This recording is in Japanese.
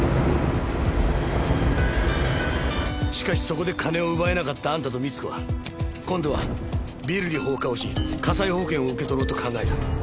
しかしそこで金を奪えなかったあんたと三津子は今度はビルに放火をし火災保険を受け取ろうと考えた。